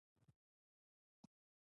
غازی د څه نوم دی؟